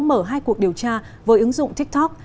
mở hai cuộc điều tra với ứng dụng tiktok